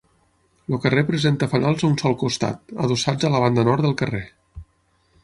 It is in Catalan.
El carrer presenta fanals a un sol costat, adossats a la banda nord del carrer.